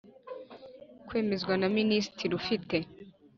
kwemezwa na Minisitiri ufite